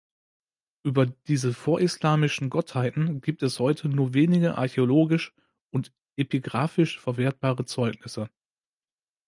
Über diese vorislamischen Gottheiten gibt es heute nur wenige archäologisch und epigraphisch verwertbare Zeugnisse.